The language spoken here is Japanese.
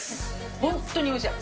本当においしい。